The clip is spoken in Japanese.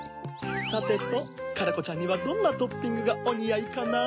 さてとカラコちゃんにはどんなトッピングがおにあいかな？